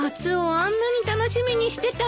あんなに楽しみにしてたのに。